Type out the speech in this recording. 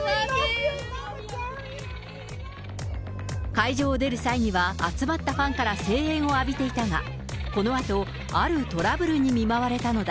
会場を出る際には集まったファンから声援を浴びていたが、このあと、あるトラブルに見舞われたのだ。